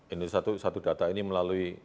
indonesia satu data ini melalui